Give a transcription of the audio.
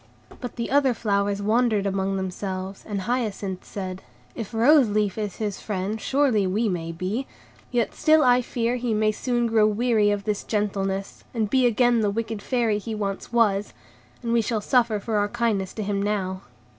But the other flowers wondered among themselves, and Hyacinth said,— "If Rose Leaf is his friend, surely we may be; yet still I fear he may soon grow weary of this gentleness, and be again the wicked Fairy he once was, and we shall suffer for our kindness to him now."